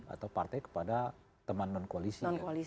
atau partai kepada teman non koalisi